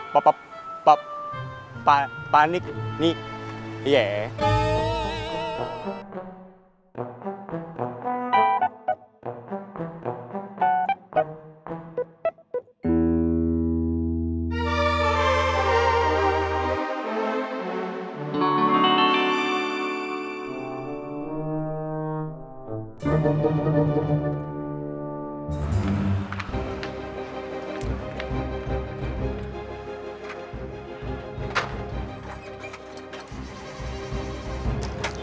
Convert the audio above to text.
b b b panik my poooooooooooooooooooooooooooooooooooooom